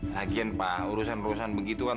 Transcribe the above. hakim pak urusan urusan begitu kan